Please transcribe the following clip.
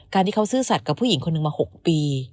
การที่เขาซื่อสัตว์กับผู้หญิงคนหนึ่งมา๖ปี